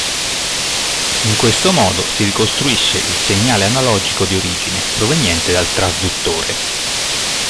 In questo modo si ricostruisce il segnale analogico di origine proveniente dal trasduttore.